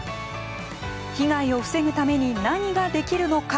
被害を防ぐために何ができるのか。